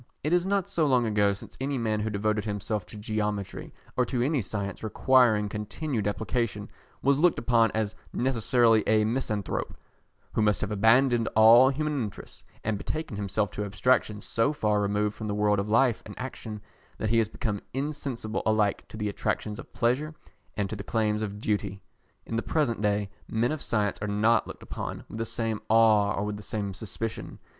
It is not so long ago since any man who devoted himself to geometry, or to any science requiring continued application, was looked upon as necessarily a misanthrope, who must have abandoned all human interests, and betaken himself to abstractions so far removed from the world of life and action that he has become insensible alike to the attractions of pleasure and to the claims of duty. In the present day, men of science are not looked upon with the same awe or with the same suspicion.